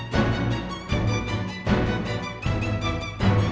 sal aku tuh cinta sama kamu